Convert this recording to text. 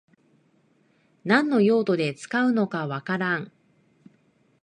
何の用途で使うのかわからん